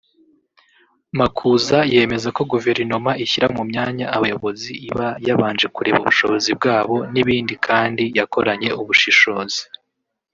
Makuza yemeza ko Guverinoma ishyira mu myanya abayobozi iba yabanje kureba ubushobozi bwabo n’ibindi kandi yakoranye ubushishozi